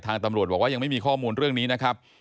ตำรวจบอกว่ายังไม่มีข้อมูลเรื่องนี้นะครับ